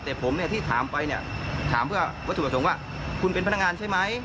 แต่ผมเนี่ยที่ถามไปเนี่ยถามเพื่อวัตถุประสงค์ว่าคุณเป็นพนักงานใช่ไหม